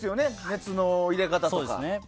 熱の入れ方とか。